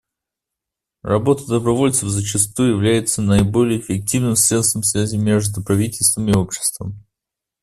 Работа добровольцев зачастую является наиболее эффективным средством связи между правительством и обществом.